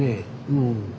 うん。